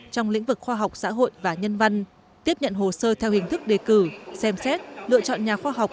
trong lĩnh vực khoa học xã hội và nhân văn tiếp nhận hồ sơ theo hình thức đề cử xem xét lựa chọn nhà khoa học